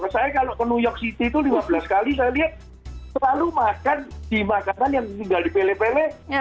saya kalau ke new york city itu lima belas kali saya lihat selalu makan di makanan yang tinggal di pele pele